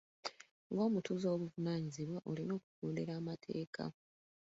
Nga omutuuze ow'obuvunaanyizibwa olina okugondera amateeka.